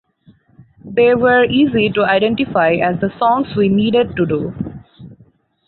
They were easy to identify as the songs we needed to do.